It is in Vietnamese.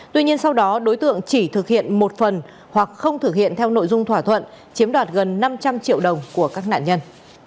tuy nhiên sau đó đối tượng chỉ thực hiện một phần hoặc không thực hiện theo nội dung thỏa thuận chiếm đoạt gần năm trăm linh triệu đồng của các nạn nhân